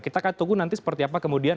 kita akan tunggu nanti seperti apa kemudian